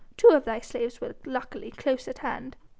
Two of thy slaves were luckily close at hand.